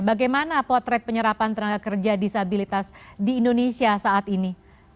bagaimana potret penyerapan tenaga kerja disabilitas di indonesia saat ini